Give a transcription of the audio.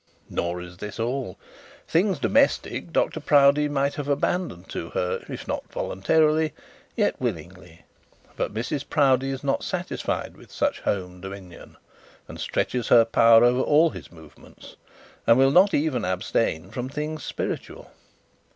Nor is this all. Things domestic Dr Proudie might have abandoned to her, if not voluntarily, yet willingly. But Mrs Proudie is not satisfied with such home dominion, and stretches her power over all his movements, and will not even abstain from things spiritual.